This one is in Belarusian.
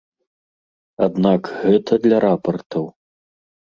Аднак гэта для рапартаў.